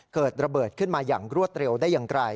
เกิดระเบิดขึ้นมาอย่างรวดเร็วได้อย่างไร